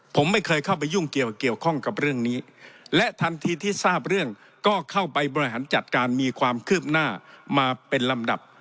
ผมไม่เคยเข้าไปยุ่งเกี่ยวเกี่ยวข้องกับเรื่องนี้และทันทีที่ทราบเรื่องก็เข้าไปบริหารจัดการมีความคืบหน้ามาเป็นลำดับ